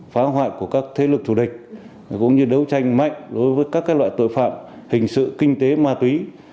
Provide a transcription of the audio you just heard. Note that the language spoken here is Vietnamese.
phá hoại của các thế lực thù địch cũng như đấu tranh mạnh đối với các loại tội phạm hình sự kinh tế ma túy